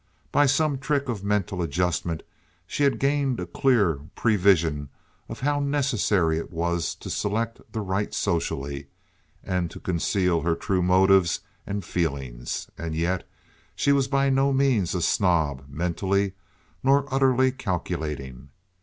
By some trick of mental adjustment she had gained a clear prevision of how necessary it was to select the right socially, and to conceal her true motives and feelings; and yet she was by no means a snob, mentally, nor utterly calculating.